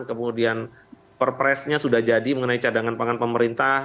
kemudian perpresnya sudah jadi mengenai cadangan pangan pemerintah